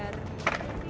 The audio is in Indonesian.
dari jahit sendiri